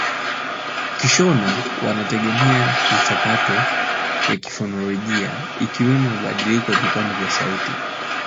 Kishona wanategemea michakato ya kifonolojia ikiwemo mabadiliko ya vipande sauti